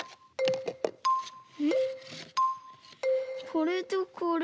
これとこれ。